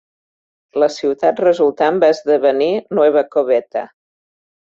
La ciutat resultant va esdevenir Nueva Coveta.